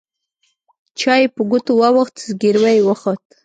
چای يې په ګوتو واوښت زګيروی يې وخوت.